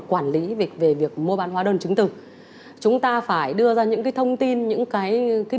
quản lý về việc mua bán hóa đơn chứng từ chúng ta phải đưa ra những cái thông tin những cái